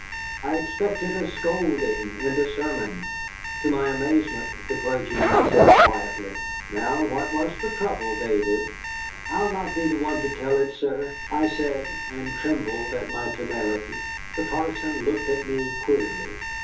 I expected a scolding and a sermon. To my amazement the clergyman said quietly: "Now what was the trouble, David?" "I'll not be the one to tell it, sir," I said, and trembled at my temerity. The parson looked at me queerly.